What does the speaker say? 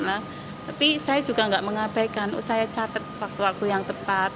tapi saya juga nggak mengabaikan saya catat waktu waktu yang tepat